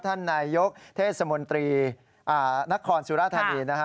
ท่านนายกเฉศสมุนตรีนักครศุรษฎภัณฑ์